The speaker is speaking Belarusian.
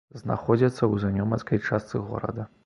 Знаходзяцца ў занёманскай частцы горада.